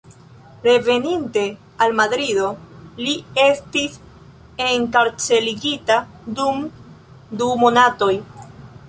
Reveninte al Madrido, li estis enkarcerigita dum du monatoj.